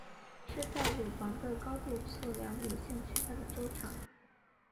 是在乳房的高度测量女性躯干的周长。